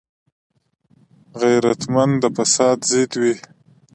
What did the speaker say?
غیرتمند د فساد ضد وي